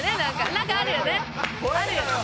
何かあるよね？